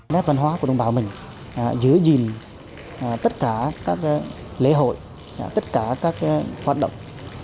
nét văn hóa của đồng bào mình giữ gìn tất cả các lễ hội tất cả các hoạt động